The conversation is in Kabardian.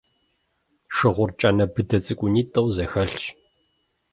Шыгъур кӀанэ быдэ цӀыкӀунитӀэу зэхэлъщ.